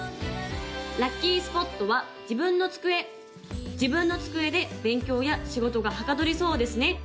・ラッキースポットは自分の机自分の机で勉強や仕事がはかどりそうですね